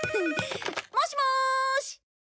もしもーし！